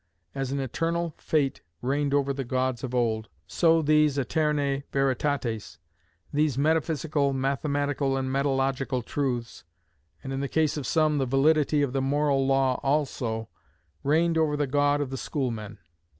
As an eternal fate reigned over the gods of old, so these aeternæ veritates, these metaphysical, mathematical and metalogical truths, and in the case of some, the validity of the moral law also, reigned over the God of the schoolmen.